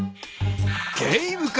ゲームか！